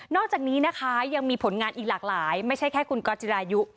อกจากนี้นะคะยังมีผลงานอีกหลากหลายไม่ใช่แค่คุณก๊อตจิรายุ